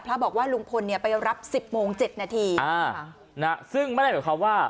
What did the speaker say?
พระบอกว่าลุงพลเนี่ยไปรับสิบโมงเจ็ดนาทีอ่านะฮะซึ่งไม่ได้เห็นเขาว่า